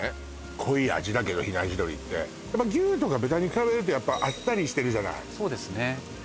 濃い味だけど比内地鶏って牛とか豚に比べるとあっさりしてるじゃないそうですね